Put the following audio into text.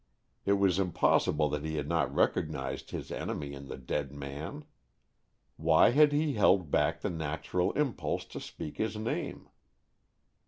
It was impossible that he had not recognized his enemy in the dead man. Why had he held back the natural impulse to speak his name?